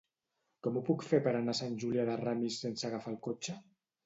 Com ho puc fer per anar a Sant Julià de Ramis sense agafar el cotxe?